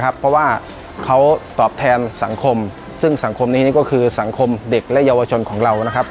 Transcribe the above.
เพราะว่าเขาตอบแทนสังคมซึ่งสังคมนี้นี่ก็คือสังคมเด็กและเยาวชนของเรานะครับ